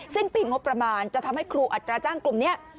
สิ้นปีงบประมาณจะทำให้ครูอัตราจ้างกลุ่มนี้